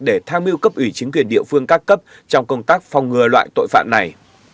để tham mưu cấp ủy chính quyền địa phương các cấp trong công tác phòng ngừa loại tội phạm này